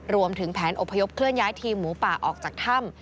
รวมถึงแผนอพยพเคลื่อนย้ายทีมหมูป่าออกจากถ้ำ